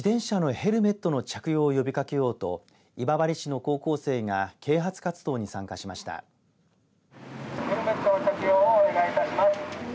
ヘルメットの着用をお願いいたします。